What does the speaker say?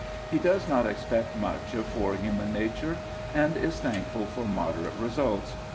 He does not expect much of poor human nature, and is thankful for moderate results.